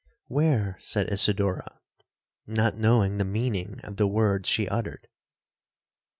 '—'Where?' said Isidora, not knowing the meaning of the words she uttered.